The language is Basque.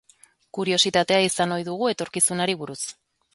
Kuriositatea izan ohi dugu etorkizunari buruz.